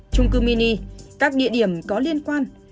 trung cư mini các địa điểm có liên quan